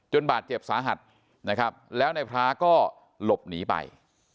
บาดเจ็บสาหัสนะครับแล้วในพระก็หลบหนีไป